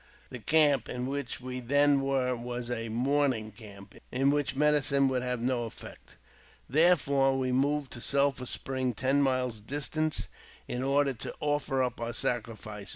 The camp in which we then were was a mourning camp, in which medicine would have no effect. Therefore we moved tc Sulphur Eiver, ten miles distant, in order to offer up our sacri fice.